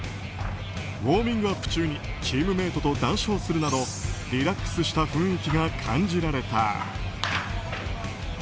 ウォーミングアップ中にチームメートと談笑するなどリラックスした雰囲気が感じられた。